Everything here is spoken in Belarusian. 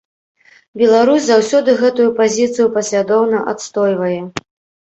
Беларусь заўсёды гэтую пазіцыю паслядоўна адстойвае.